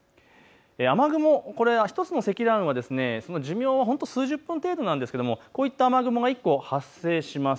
雨雲、１つの積乱雲が寿命は数十分程度なんですがこういった雨雲が発生します。